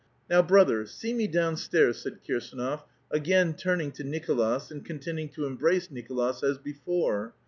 " Now, brother, see me down stairs," said Kirsdnof, again turning to Nicolas, and continuing to embrace Nicolas as before.